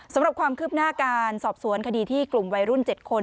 สำหรับความคืบหน้าการสอบสวนคดีที่กลุ่มวัยรุ่น๗คน